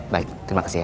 baik terima kasih ya